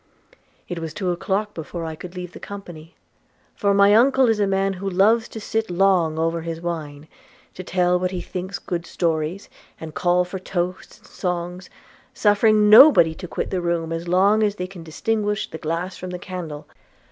'It was two o'clock before I could leave the company; for my uncle is a man who loves to sit long over his wine, to tell what he thinks good stories, and call for toasts and songs, suffering nobody to quit the room as long as they can distinguish the glass from the candle.